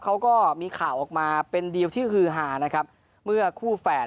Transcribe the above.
เขาก็มีข่าวออกมาเป็นดีลที่ฮือฮานะครับเมื่อคู่แฝด